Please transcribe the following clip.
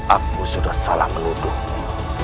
aku sudah salah menuduhmu